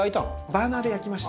バーナーで焼きました。